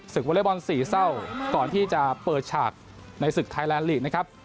วอเล็กบอลสี่เศร้าก่อนที่จะเปิดฉากในศึกไทยแลนดลีกนะครับ